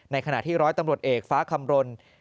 ขณะที่ร้อยตำรวจเอกฟ้าคำรณ